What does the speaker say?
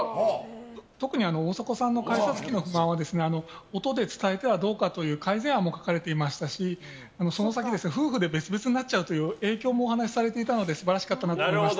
特に大迫さんの改札機の不満は音で伝えてはどうかという改善案も書かれていましたしその先、夫婦で別々になっちゃうという影響もお話しされていたので素晴らしかったなと思いました。